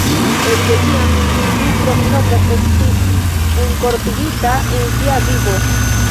Ekde tiam tiu kromnomo estis enkorpigita en sia vivo.